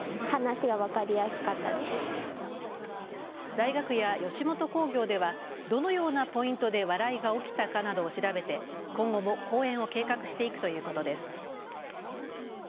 大学や吉本興業ではどのようなポイントで笑いが起きたかなどを調べて今後も公演を計画していくということです。